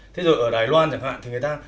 thế rồi ở đài loan chẳng hạn thì người ta